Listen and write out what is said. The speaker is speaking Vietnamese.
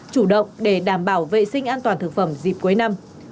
chủ động để đảm bảo vệ sinh an toàn thực phẩm dịp cuối năm